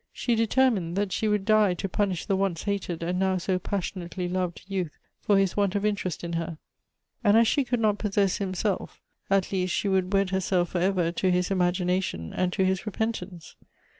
She determined that she would die to punish the once hated, and now so passion ately loved, youth for his want of interest in lier; and as she could not possess himself, at least she would wed her self for ever to his imagination and to his repentance.